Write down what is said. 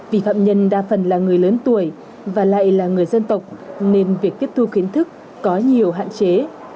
vì phạm nhân đa phần là người lớn tuổi và lại là người dân tộc nên việc tiếp thu kiến thức có nhiều hạn chế